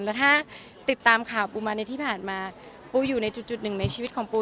แล้วถ้าติดตามข่าวปูมาในที่ผ่านมาปูอยู่ในจุดหนึ่งในชีวิตของปู